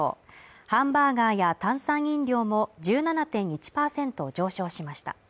ハンバーガーや炭酸飲料も１７．１％上昇しました。